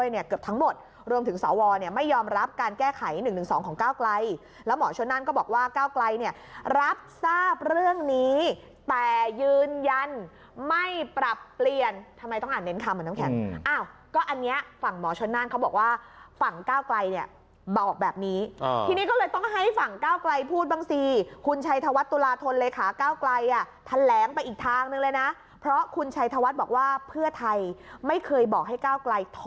นี้แต่ยืนยันไม่ปรับเปลี่ยนทำไมต้องอ่านเน้นคำอ่ะน้องแข็งอ้าวก็อันเนี้ยฝั่งหมอชนน่านเขาบอกว่าฝั่งก้าวไกลเนี้ยบอกแบบนี้อ่าทีนี้ก็เลยต้องให้ฝั่งก้าวไกลพูดบางสีคุณชัยธวัฒน์ตุลาทนเลขาก้าวไกลอ่ะแถลงไปอีกทางนึงเลยนะเพราะคุณชัยธวัฒน์บอกว่าเพื่อไทยไม่เคยบอกให้ก้าวไก